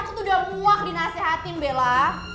aku tuh udah muak dinasehatin bella